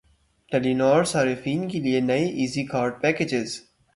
ٹیلی نار صارفین کے لیے نئے ایزی کارڈ پیکجز